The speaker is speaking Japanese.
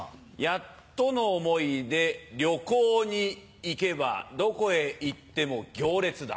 やっとの思いで旅行に行けばどこへ行っても行列だ。